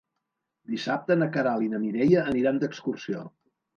Dissabte na Queralt i na Mireia aniran d'excursió.